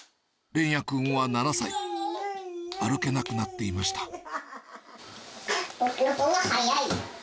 連也君は７歳、歩けなくなっていました。